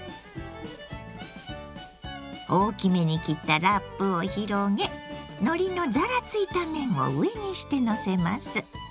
大きめに切ったラップを広げのりのザラついた面を上にしてのせます。